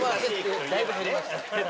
だいぶ減りました。